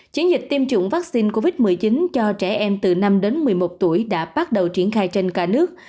chiến dịch tiêm chủng vaccine covid một mươi chín cho trẻ em từ năm đến một mươi một tuổi đã bắt đầu triển khai trên cả nước